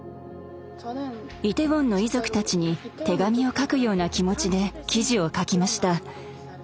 イテウォンの遺族たちに手紙を書くような気持ちで記事を書きました。